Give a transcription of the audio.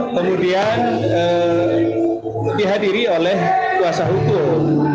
kemudian dihadiri oleh kuasa hukum